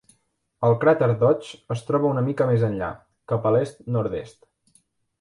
El cràter Deutsch es troba una mica més enllà, cap a l'est-nord-est.